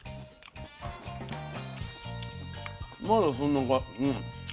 まだそんな。